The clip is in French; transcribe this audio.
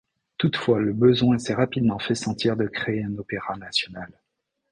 Toutefois, le besoin s’est rapidement fait sentir de créer un opéra national.